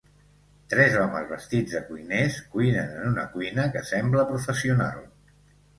Tres homes vestits de cuiners cuinen en una cuina que sembla professional.